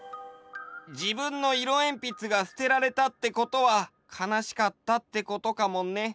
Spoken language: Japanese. じぶんのいろえんぴつがすてられたってことはかなしかったってことかもね。